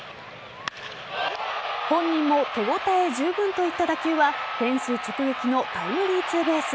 本人も手応え十分といった打球はフェンス直撃のタイムリーツーベース。